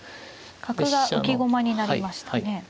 角が浮き駒になりましたね。